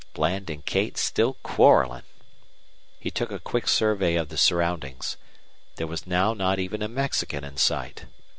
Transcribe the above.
Bland and Kate still quarreling! He took a quick survey of the surroundings. There was now not even a Mexican in sight.